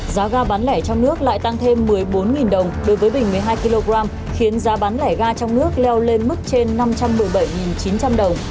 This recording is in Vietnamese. giá ga bán lẻ trong nước lại tăng thêm một mươi bốn đồng đối với bình một mươi hai kg khiến giá bán lẻ ga trong nước leo lên mức trên năm trăm một mươi bảy chín trăm linh đồng